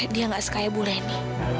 dia gak sekaya bu reni